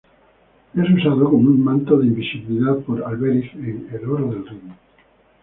Es usado como un manto de invisibilidad por Alberich en "El oro del Rin".